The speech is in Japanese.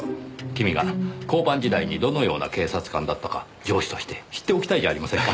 君が交番時代にどのような警察官だったか上司として知っておきたいじゃありませんか。